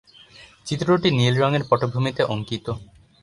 চিত্রটি নীল রঙের পটভূমিতে অঙ্কিত।